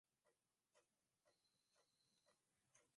kidogo labda Wakristo na wafuasi wa dini asilia za Kiafrika takriban